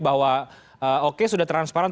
bahwa oke sudah transparan